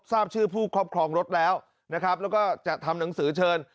ทราบชื่อผู้ครอบครองรถแล้วนะครับแล้วก็จะทำหนังสือเชิญ